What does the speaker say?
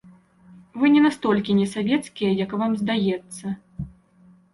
Вы не настолькі несавецкія, як вам здаецца.